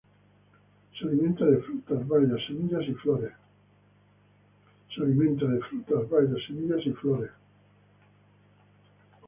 Se alimenta de frutas, bayas, semillas y flores.